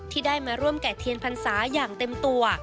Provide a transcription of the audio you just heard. ที่ได้มาร่วมแกะเทียนพันธุ์ศาสตร์อย่างเต็มตัว